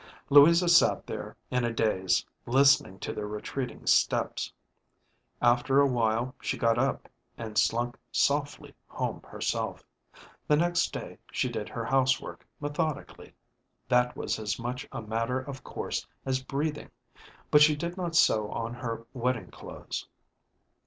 Louisa sat there in a daze, listening to their retreating steps. After a while she got up and slunk softly home herself. The next day she did her housework methodically; that was as much a matter of course as breathing; but she did not sew on her wedding clothes.